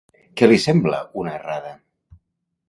Què li sembla una errada?